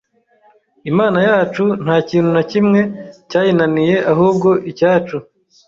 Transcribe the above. Imana yacu nta kintu na kimwe cyayinaniye ahubwo icyacu